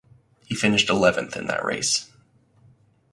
He finished eleventh in that race.